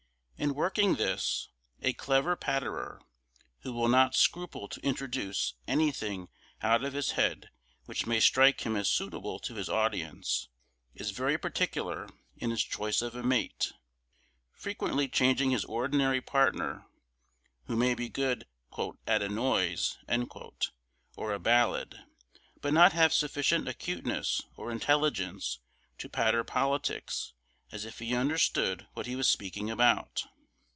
In working this, a clever patterer who will not scruple to introduce anything out of his head which may strike him as suitable to his audience is very particular in his choice of a mate, frequently changing his ordinary partner, who may be good "at a noise" or a ballad, but not have sufficient acuteness or intelligence to patter politics as if he understood what he was speaking about.